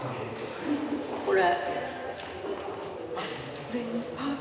これ。